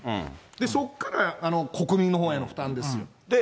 そこから国民のほうへの負担ですよ。